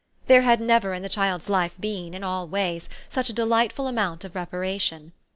There had never in the child's life been, in all ways, such a delightful amount of reparation.